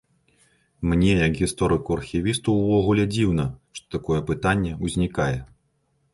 Мне як гісторыку-архівісту ўвогуле дзіўна, што такое пытанне ўзнікае.